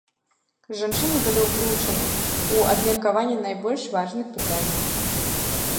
Жанчыны былі ўключаны ў абмеркаванне найбольш важных пытанняў.